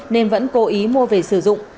nên vẫn cố ý mua về sử dụng